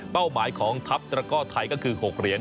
เป้าหมายของทัพแล้วก็ไทยก็คือ๖เหรียญ